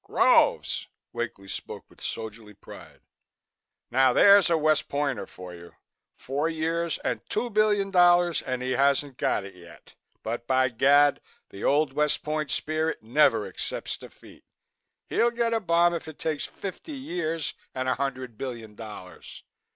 "Groves!" Wakely spoke with soldierly pride. "Now there's a West Pointer for you! Four years and two billion dollars and he hasn't got it yet, but by Gad! the old West Point spirit never accepts defeat. He'll get a bomb if it takes fifty years and a hundred billion dollars.